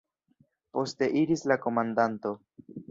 Poste iris la komandanto.